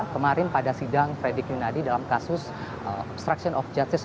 kemarin pada sidang fredrik yunadi dalam kasus obstruction of justice